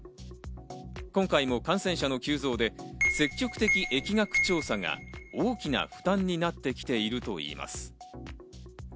今回も感染者の急増で積極的疫学調査が大きな負担になってきているといいます。